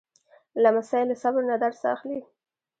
لمسی له صبر نه درس اخلي.